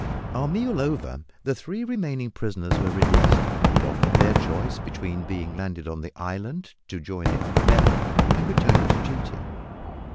Our meal over, the three remaining prisoners were released, and offered their choice between being landed on the island to join the other men, and returning to duty.